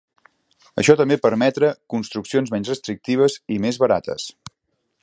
Això també permetre construccions menys restrictives i més barates.